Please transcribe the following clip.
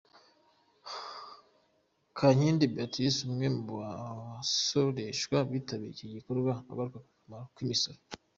Kankindi Béatrice, umwe mu basoreshwa witabiriye iki gikorwa, agaruka ku kamaro k’imisoro.